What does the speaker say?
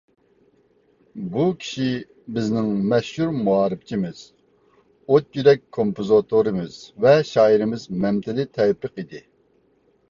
بۇ كىشى بىزنىڭ مەشھۇر مائارىپچىمىز، ئوت يۈرەك كومپوزىتورىمىز ۋە شائىرىمىز مەمتىلى تەۋپىق ئىدى.